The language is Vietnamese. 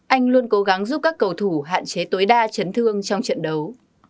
anh luôn cố gắng giúp các cầu thủ hạn chế tối đa chấn thương trong trận đấu